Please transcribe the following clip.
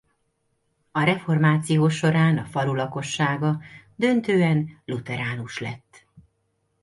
A reformáció során a falu lakossága döntően lutheránus lett.